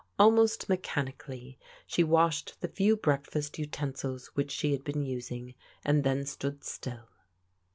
Almost mechanically she washed the few breakfast utensils which she had been t^sing and then stood still.